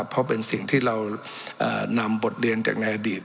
เพราะเป็นสิ่งที่เรานำบทเรียนจากในอดีต